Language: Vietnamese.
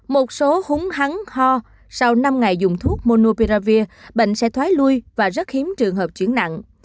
một số húng hắn ho sau năm ngày dùng thuốc monopiravir bệnh sẽ thoái lui và rất hiếm trường hợp chuyển nặng